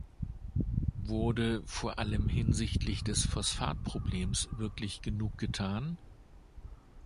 Wurde vor allem hinsichtlich des Phosphatproblems wirklich genug getan?